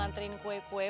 apa si aka